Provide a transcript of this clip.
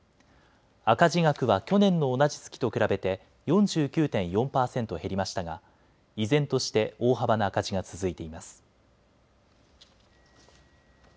赤字額は去年の同じ月と比べて４９．４％減りましたが依然として大幅な赤字が続いています。